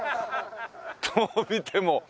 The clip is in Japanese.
どう見ても。